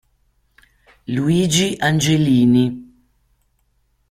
Luigi Angelini.